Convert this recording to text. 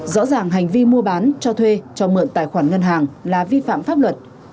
rõ ràng hành vi mua bán cho thuê cho mượn tài khoản ngân hàng là vi phạm pháp luật